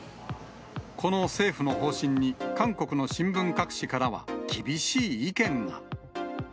この政府の方針に、韓国の新聞各紙からは、厳しい意見が。